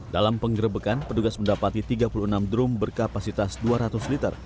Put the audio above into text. dalam penggerebekan petugas mendapati tiga puluh enam drum berkapasitas dua ratus liter